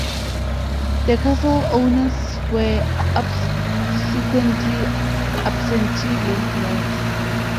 The castle owners were subsequently absentee landlords.